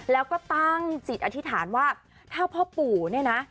แล้วก็ตั้งจิตอธิษฐานว่าถ้าพ่อปู่เนี่ยนะ